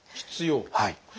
はい。